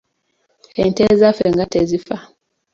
Ente ezaffe nga tezifa.